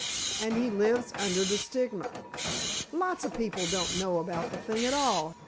"And he lives under the stigma." "Lots of people don't know about the thing at all.